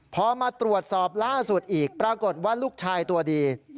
พอมาตรวจสอบล่าสุดอีกปรากฏว่าลูกชายตัวดี